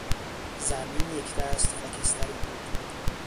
زمین یکدست خاکستری بود.